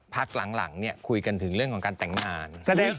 พักหลังเนี่ยคุยกันถึงเรื่องของการแต่งงาน